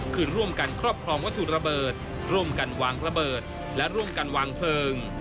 คือร่วมกันครอบครองวัตถุระเบิดร่วมกันวางระเบิดและร่วมกันวางเพลิง